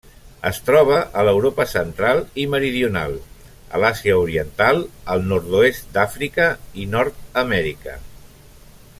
Es troba a l'Europa Central i meridional, l'Àsia Oriental, el nord-oest d'Àfrica i Nord-amèrica.